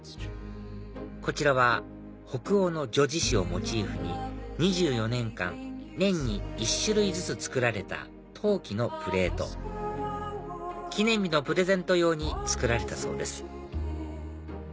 こちらは北欧の叙事詩をモチーフに２４年間年に１種類ずつ作られた陶器のプレート記念日のプレゼント用に作られたそうです